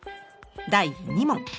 第２問。